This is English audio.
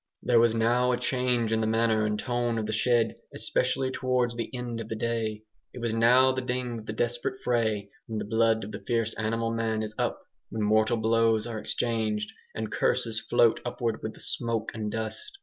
There was now a change in the manner and tone of the shed, especially towards the end of the day. It was now the ding of the desperate fray, when the blood of the fierce animal man is up, when mortal blows are exchanged, and curses float upward with the smoke and dust.